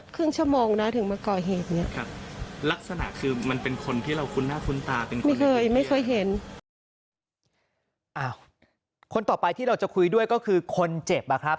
คนต่อไปที่เราจะคุยด้วยก็คือคนเจ็บ